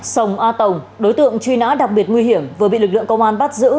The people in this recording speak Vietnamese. sông a tổng đối tượng truy nã đặc biệt nguy hiểm vừa bị lực lượng công an bắt giữ